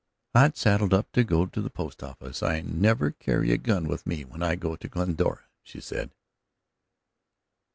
"I'd saddled up to go to the post office; I never carry a gun with me when I go to Glendora," she said.